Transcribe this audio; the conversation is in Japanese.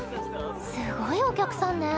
すごいお客さんね。